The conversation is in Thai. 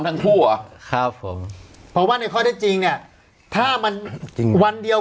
ทั้งคู่เหรอครับผมเพราะว่าในข้อได้จริงเนี่ยถ้ามันจริงวันเดียว